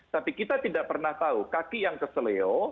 tapi kita tidak pernah tahu kaki yang keselio